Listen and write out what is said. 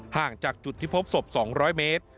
ห่างจากจุดที่พบศพ๒๐๐เมตร